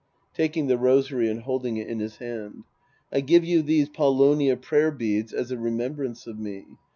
{Taking the rosary and holding it in his hand.) I give you these paulownia prayer beads as a remembrance of me.